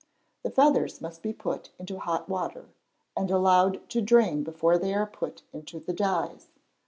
The feathers must be put into hot water, and allowed to drain before they are put into the dyes.